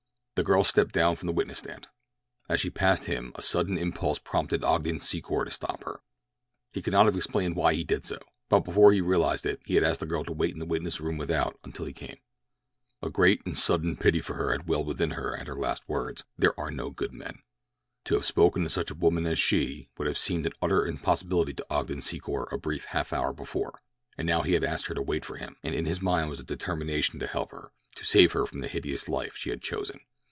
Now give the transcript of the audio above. The girl stepped down from the witness stand. As she passed him a sudden impulse prompted Ogden Secor to stop her. He could not have explained why he did so, but before he realized it he had asked the girl to wait in the witness room without until he came. A great and sudden pity for her had welled within him at her last words: "There are no good men." To have spoken to such a woman as she would have seemed an utter impossibility to Ogden Secor a brief half hour before, and now he had asked her to wait for him, and in his mind was a determination to help her—to save her from the hideous life she had chosen.